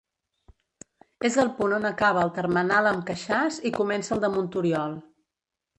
És el punt on acaba el termenal amb Queixàs i comença el de Montoriol.